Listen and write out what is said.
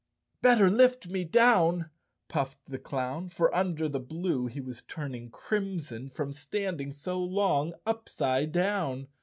"Bet¬ ter lift me down," puffed the clown, for under the blue he was turning crimson from standing so long upside down.